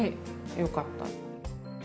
よかった。